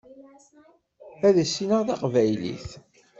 Ad issineɣ tabqylit.